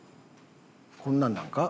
こんなんなんか？